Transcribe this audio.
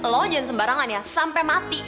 lo jangan sembarangan ya sampe mati